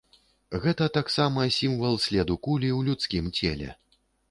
Гэта таксама сімвал следу кулі ў людскім целе.